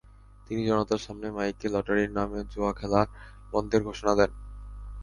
তিনি জনতার সামনে মাইকে লটারির নামে জুয়া খেলা বন্ধের ঘোষণা দেন।